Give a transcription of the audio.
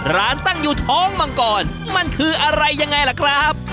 ตั้งอยู่ท้องมังกรมันคืออะไรยังไงล่ะครับ